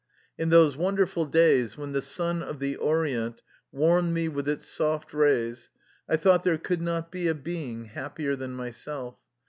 In those wonderful days, when the sun of the Orient warmed me with its soft rays, I thought there could not be a being happier than myself.